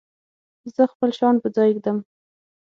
زه خپل شیان په ځای ږدم.